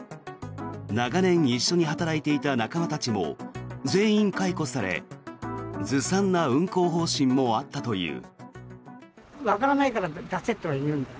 長年、一緒に働いていた仲間たちも全員解雇されずさんな運航方針もあったという。